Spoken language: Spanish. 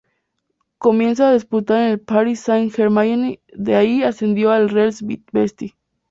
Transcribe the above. Comienza a despuntar en el Paris Saint-Germain de ahí es cedido al Real Betis.